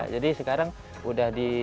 jadi sekarang udah di